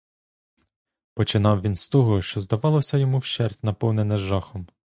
Починав він з того, що здавалося йому вщерть наповнене жахом.